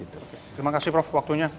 terima kasih prof waktunya